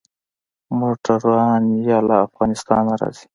موټران يا له افغانستانه راځي.